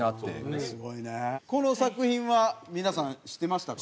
この作品は皆さん知ってましたか？